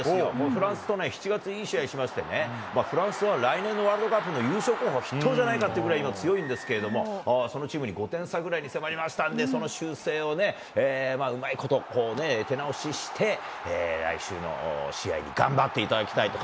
フランスと７月、いい試合しましてね、フランスは来年のワールドカップの優勝候補筆頭じゃないかっていうくらい、今強いんですけれども、そのチームに５点差くらいに迫りましたんで、その修正をうまいこと手直しして、来週の試合に頑張っていただきたいと。